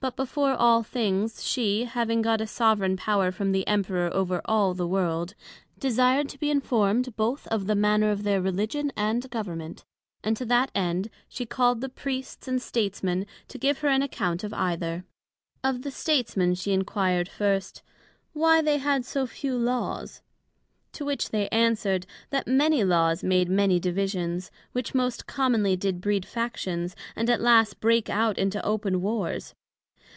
But before all things, she having got a Soveraign power from the Emperor over all the World, desired to be informed both of the manner of their Religion and Government; and to that end she called the Priests and States men, to give her an account of either. Of the States men she enquired, first, Why they had so few Laws? To which they answered, That many Laws made many Divisions, which most commonly did breed Factions, and at last brake out into open Wars.